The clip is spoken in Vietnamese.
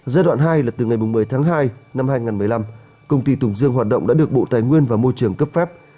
giai đoạn hai là từ ngày một mươi tháng hai năm hai nghìn một mươi năm công ty tùng dương hoạt động đã được bộ tài nguyên và môi trường cấp phép